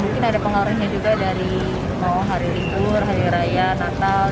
mungkin ada pengaruhnya juga dari mau hari libur hari raya natal